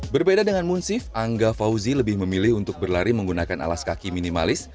berbeda dengan munsif angga fauzi lebih memilih untuk berlari menggunakan alas kaki minimalis